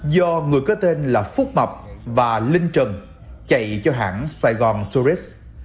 do người có tên là phúc mập và linh trần chạy cho hãng saigon tourist